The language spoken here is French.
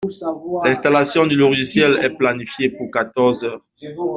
L'installation du logiciel est planifiée pour quatorze heures.